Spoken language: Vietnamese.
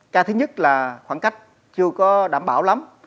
ca thứ nhất là khoảng cách chưa có đảm bảo lắm